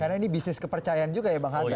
karena ini bisnis kepercayaan juga ya bang hanta